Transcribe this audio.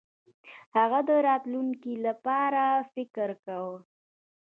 هغه د راتلونکي لپاره فکر کاوه.